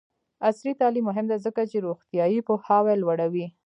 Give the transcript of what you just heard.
عصري تعلیم مهم دی ځکه چې روغتیایي پوهاوی لوړوي.